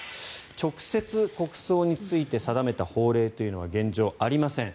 直接、国葬について定めた法令は現状ありません。